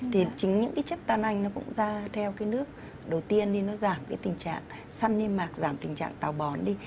thì chính những chất tàn anh nó cũng ra theo cái nước đầu tiên đi nó giảm cái tình trạng săn niên mạc giảm tình trạng tào bón đi